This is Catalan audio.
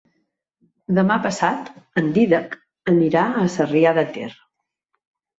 Demà passat en Dídac anirà a Sarrià de Ter.